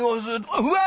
うわ！